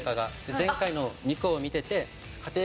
前回の２個を見てて。